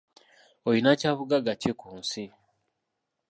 Olina kya bugagga ki ku nsi?